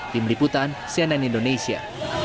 tim liputan cnn indonesia